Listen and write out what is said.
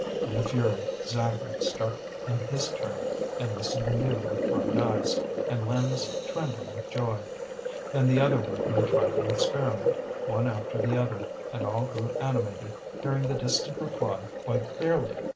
In a fury, Zacharie struck in his turn, and listened anew with bright eyes, and limbs trembling with joy. Then the other workmen tried the experiment, one after the other, and all grew animated, hearing the distant reply quite clearly.